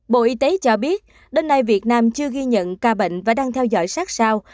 bộ y tế cho biết đến nay việt nam chưa ghi nhận ca bệnh và đang theo dõi sát sao